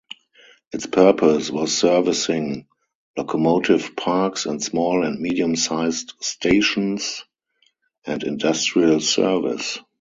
Its purpose was servicing locomotive parks and small and medium-sized stations, and industrial service.